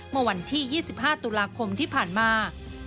เมื่อวันที่๒๕ตุลาคมที่ผ่านมา